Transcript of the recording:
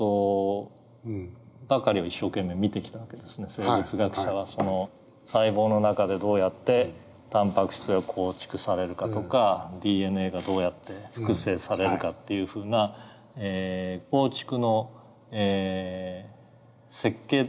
生物学者はその細胞の中でどうやってタンパク質が構築されるかとかＤＮＡがどうやって複製されるかっていうふうな構築の設計的なメカニズムを一生懸命研究してきた。